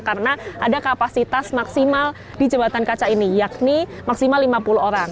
karena ada kapasitas maksimal di jembatan kaca ini yakni maksimal lima puluh orang